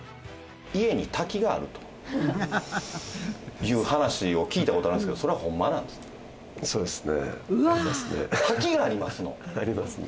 家に滝があるという話を聞いたことがあるんですけど、そうですね、ありますね。